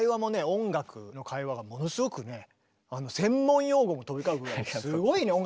音楽の会話がものすごくね専門用語も飛び交うぐらいすごいね音楽にもね詳しいし。